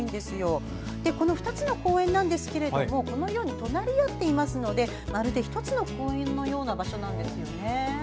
この２つの公園ですが隣り合っていますのでまるで１つの公園のような場所なんですよね。